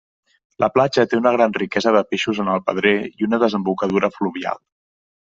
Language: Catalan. La platja té una gran riquesa de peixos en el pedrer i una desembocadura fluvial.